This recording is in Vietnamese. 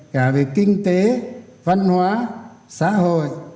cả về kinh tế văn hóa xã hội